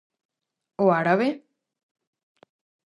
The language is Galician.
O árabe?